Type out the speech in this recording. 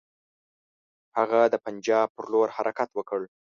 هغه د پنجاب پر لور حرکت وکړ.